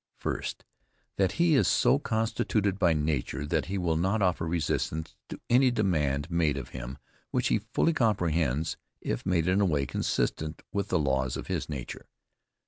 FIRST. That he is so constituted by nature that he will not offer resistance to any demand made of him which he fully comprehends, if made in a way consistent with the laws of his nature.